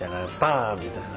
みたいな。